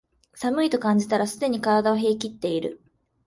寒いと感じたらすでに体は冷えきってる